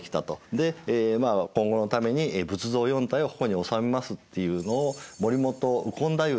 でまあ今後のために仏像４体をここにおさめますっていうのを森本右近太夫っていう人がですね